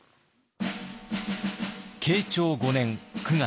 慶長５年９月。